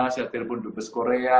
saya telepon dubes korea